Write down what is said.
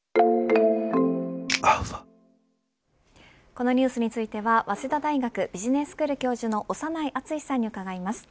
このニュースについては早稲田大学ビジネススクール教授の長内厚さんに伺います。